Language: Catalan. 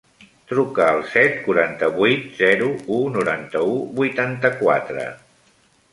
Truca al set, quaranta-vuit, zero, u, noranta-u, vuitanta-quatre.